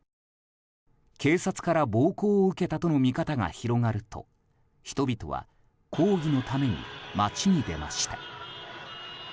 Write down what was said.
警察から暴行を受けたとの見方が広がると人々は抗議のために街に出ました。